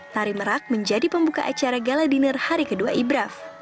tari merak menjadi pembuka acara gala dinner hari kedua ibraf